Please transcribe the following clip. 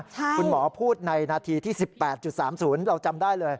คุณหมอพูดในนาทีที่๑๘๓๐เราจำได้เลย